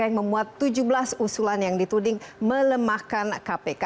yang memuat tujuh belas usulan yang dituding melemahkan kpk